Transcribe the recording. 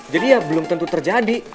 jadi ya belum tentu terjadi